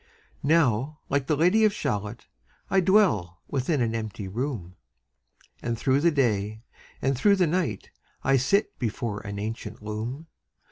Now like the Lady of Shalott, I dwell within an empty room, And through the day and through the night I sit before an ancient loom.